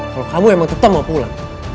kalo kamu emang tetep mau pulang